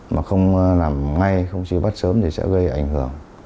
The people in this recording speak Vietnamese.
mà không làm ngay không truy bắt sớm thì sẽ gây ảnh hưởng